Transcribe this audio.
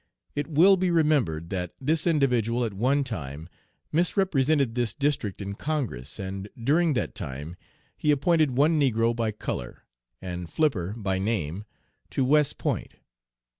It will be remembered that this individual at one time misrepresented this district in Congress, and during that time he appointed one negro by color, and Flipper by name, to West Point.